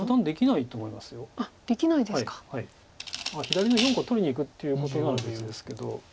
左の４個取りにいくっていうことなら別ですけど。